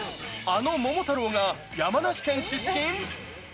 あの桃太郎が山梨県出身？